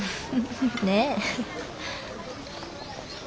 ねえ。